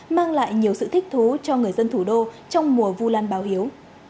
mang lại nhiều sự thích thú cho người dân thủ đô trong mùa vu lan báo hiếu